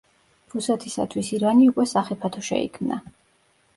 რუსეთისათვის ირანი უკვე სახიფათო შეიქმნა.